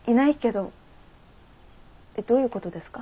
どういうことですか？